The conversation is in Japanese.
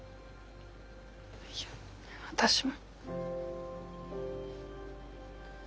いや私も。